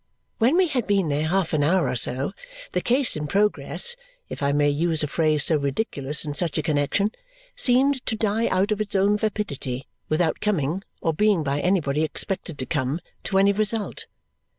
When we had been there half an hour or so, the case in progress if I may use a phrase so ridiculous in such a connexion seemed to die out of its own vapidity, without coming, or being by anybody expected to come, to any result.